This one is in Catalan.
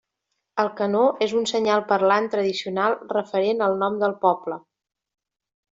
El canó és un senyal parlant tradicional referent al nom del poble.